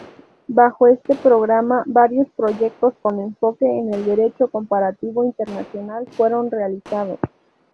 Bajo este programa varios proyectos con enfoque en el derecho comparativo internacional fueron realizados.